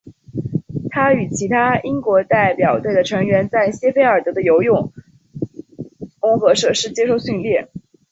他与其他英国代表队的成员在谢菲尔德的的游泳综合设施接受训练。